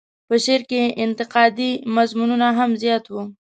په شعر کې یې انتقادي مضمونونه هم زیات وو.